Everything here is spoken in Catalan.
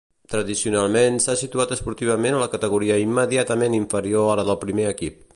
Tradicionalment s'ha situat esportivament a la categoria immediatament inferior a la del primer equip.